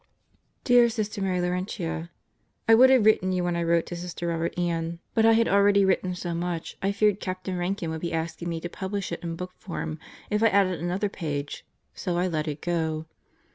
Dear Sister Mary Laurentia: I would have written you when I wrote to Sister Robert Ann, but I had already written so much I feared Captain Rankin would be asking me to publish it in book form if I added another page, so I let it go.